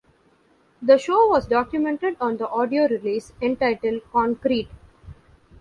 The show was documented on the audio release entitled Concrete.